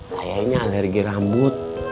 sayangnya alergi rambut